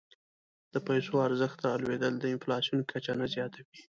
د پیسو ارزښت رالوېدل د انفلاسیون کچه نه زیاتوي.